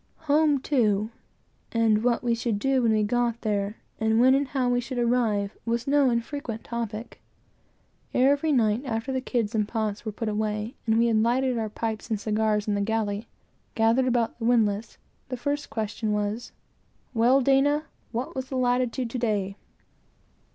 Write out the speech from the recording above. Home, too, and what we should do when we got there, and when and how we should arrive, was no infrequent topic. Every night, after the kids and pots were put away, and we had lighted our pipes and cigars at the galley, and gathered about the windlass, the first question was, "Well, Tom, what was the latitude to day?"